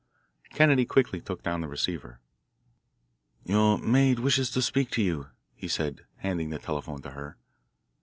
Kennedy quickly took down the receiver. "Your maid wishes to speak to you," he said, handing the telephone to her.